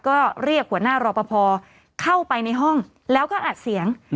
ก็เรียกหัวหน้ารอปภเข้าไปในห้องแล้วก็อัดเสียง